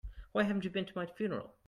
Why haven't you been to my funeral?